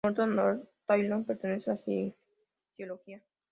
Norton Taylor pertenece a la cienciología.